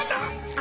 あ！